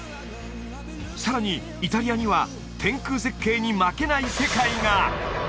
さらにイタリアには天空絶景に負けない世界が！